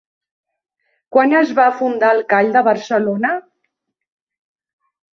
Quan es va fundar el Call de Barcelona?